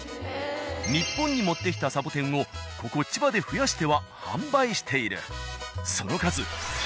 日本に持ってきたサボテンをここ千葉で増やしては販売している。